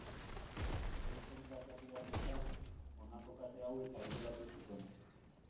Beste hainbat herrialdetan, honako kate hauek aireratu zuten.